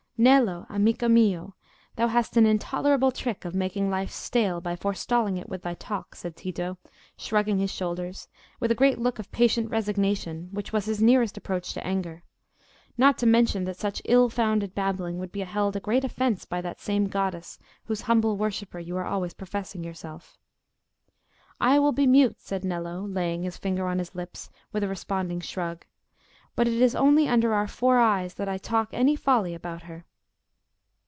'" "Nello, amico mio, thou hast an intolerable trick of making life stale by forestalling it with thy talk," said Tito, shrugging his shoulders, with a look of patient resignation, which was his nearest approach to anger: "not to mention that such ill founded babbling would be held a great offence by that same goddess whose humble worshipper you are always professing yourself." "I will be mute," said Nello, laying his finger on his lips, with a responding shrug. "But it is only under our four eyes that I talk any folly about her."